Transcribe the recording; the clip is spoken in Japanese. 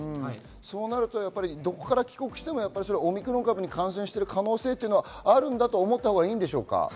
どこから帰国してもオミクロン株に感染している可能性はあるんだと思ったほうがいいですか？